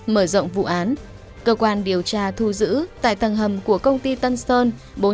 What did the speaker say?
mở rộng vụ án cơ quan điều tra thu giữ tại tầng hầm của công ty tân sơn